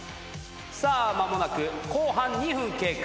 さあ間もなく後半２分経過。